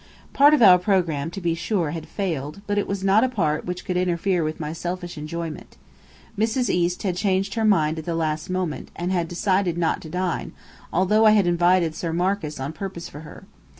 Part of our programme, to be sure, had failed; but it was not a part which could interfere with my selfish enjoyment. Mrs. East had changed her mind at the last moment, and had decided not to dine, although I had invited Sir Marcus on purpose for her.